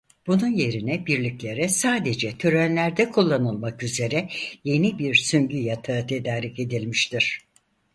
Bunun yerine birliklere sadece törenlerde kullanılmak üzere yeni bir süngü yatağı tedarik edilmiştir.